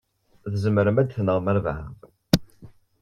Tzemrem ad tenɣem albaɛḍ.